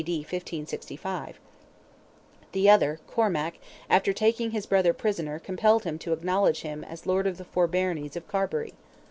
D. 1565); the other, Cormac, after taking his brother prisoner compelled him to acknowledge him as lord of the four baronies of Carbury.